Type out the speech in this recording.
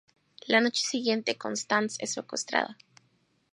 La noche siguiente Constance es secuestrada.